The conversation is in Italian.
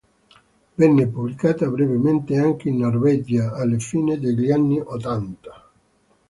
Venne pubblicata brevemente anche in Norvegia alla fine degli anni ottanta.